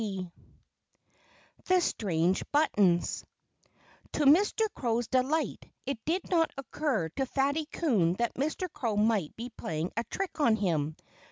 XVII THE STRANGE BUTTONS To Mr. Crow's delight, it did not occur to Fatty Coon that Mr. Crow might be playing a trick on him.